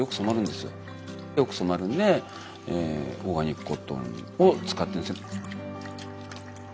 よく染まるんでオーガニックコットンを使ってるんですね。